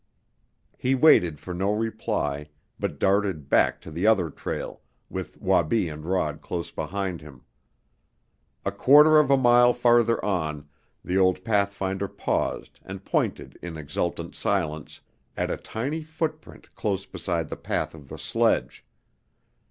He waited for no reply, but darted back to the other trail, with Wabi and Rod close behind him. A quarter of a mile farther on the old pathfinder paused and pointed in exultant silence at a tiny footprint close beside the path of the sledge.